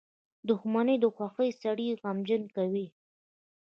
• دښمني د خوښۍ سړی غمجن کوي.